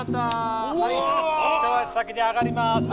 一足先に上がります！